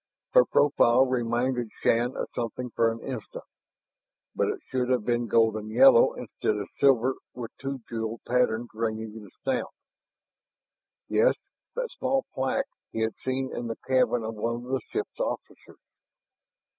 Her profile reminded Shann of something for an instant; but it should have been golden yellow instead of silver with two jeweled patterns ringing the snout. Yes, that small plaque he had seen in the cabin of one of the ship's officers.